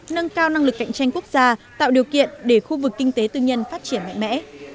nâng cao năng lực cạnh tranh quốc gia tạo điều kiện để khu vực kinh tế tư nhân phát triển mạnh mẽ